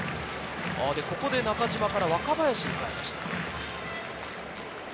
ここで中島から若林に変えました。